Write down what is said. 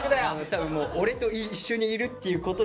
多分もう俺と一緒にいるっていうことで。